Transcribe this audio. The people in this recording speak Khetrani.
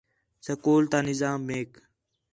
سکول تا نظام میک